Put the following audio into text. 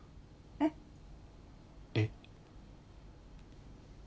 えっ？えっ？